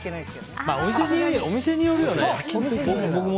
お店によるよね。